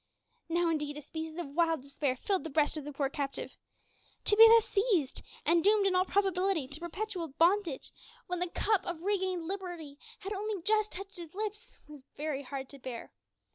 Now, indeed, a species of wild despair filled the breast of the poor captive. To be thus seized, and doomed in all probability to perpetual bondage, when the cup of regained liberty had only just touched his lips, was very hard to bear.